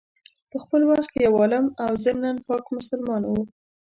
په خپل وخت کي یو عالم او ضمناً پاک مسلمان وو.